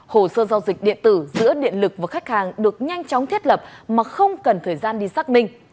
hồ sơ giao dịch điện tử giữa điện lực và khách hàng được nhanh chóng thiết lập mà không cần thời gian đi xác minh